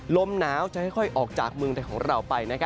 ลมหนาวจะค่อยออกจากเมืองไทยของเราไป